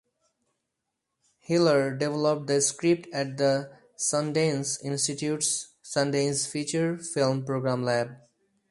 Heller developed the script at the Sundance Institute's Sundance Feature Film Program Lab.